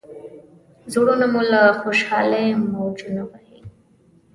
زړونه مو له خوشالۍ موجونه وهي.